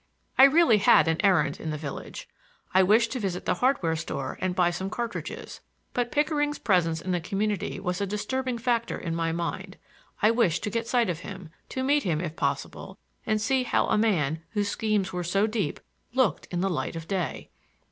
I really had an errand in the village. I wished to visit the hardware store and buy some cartridges, but Pickering's presence in the community was a disturbing factor in my mind. I wished to get sight of him,— to meet him, if possible, and see how a man, whose schemes were so deep, looked in the light of day.